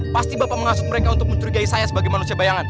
pasti bapak mengasuk mereka untuk mencurigai saya sebagai manusia bayangan